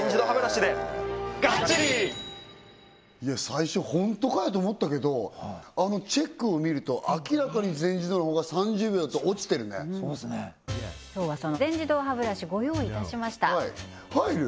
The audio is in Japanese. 最初ホントかよと思ったけどあのチェックを見ると明らかに全自動の方が３０秒だと落ちてるねそうですね今日はその全自動歯ブラシご用意いたしました入る？